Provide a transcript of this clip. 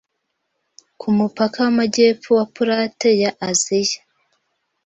ku mupaka w'Amajyepfo wa Plate ya Aziya